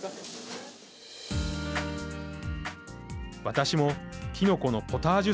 私もきのこのポタージュ